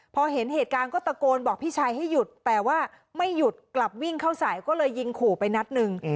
พอเห็นเหตุการณ์ก็ตะโกนบอกพี่ชายให้หยุดแต่ว่าไม่หยุดกลับวิ่งเข้าสายก็เลยยิงขู่ไปนัดหนึ่ง